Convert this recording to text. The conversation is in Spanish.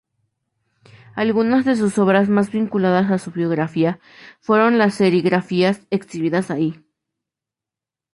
Algunas de sus obras más vinculadas a su biografía fueron las serigrafías exhibidas ahí.